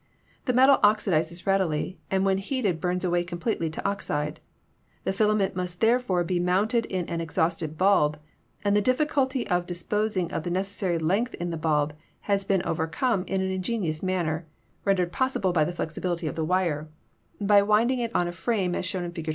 The metal oxidizes readily, and when heated burns away completely to oxide; the filament must therefore be mounted in an exhausted bulb, and the difficulty of dispos ing of the necessary length in the bulb has been overcome in an ingenious manner (rendered possible by the flexibil ity of the wire) by winding it on a frame as shown in Fig.